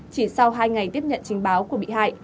chỉ sau hai ngày tiếp nhận trình báo của bị hại